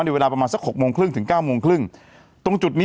เวลาประมาณสักหกโมงครึ่งถึงเก้าโมงครึ่งตรงจุดนี้